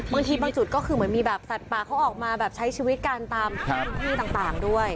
บางทีบางจุดก็คือเหมือนมีแบบสัตว์ป่าเขาออกมาแบบใช้ชีวิตกันตามพื้นที่ต่างด้วย